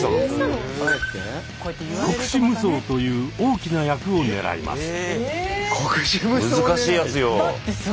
「国士無双」という大きな役を狙います。